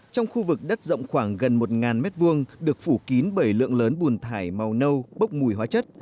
trong khu vực đất rộng khoảng gần một m hai được phủ kín bởi lượng lớn bùn thải màu nâu bốc mùi hóa chất